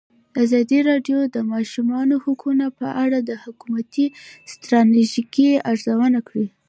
ازادي راډیو د د ماشومانو حقونه په اړه د حکومتي ستراتیژۍ ارزونه کړې.